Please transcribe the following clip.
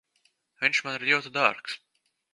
Viņš man ir ļoti dārgs.